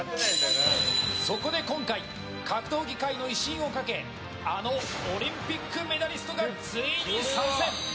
そこで今回格闘技界の威信をかけあのオリンピックメダリストがついに参戦！